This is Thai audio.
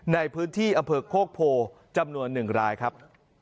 ในพื้นที่อเผิกโภคโพจำนวน๑รายครับ